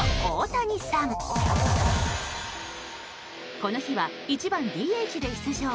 この日は１番、ＤＨで出場。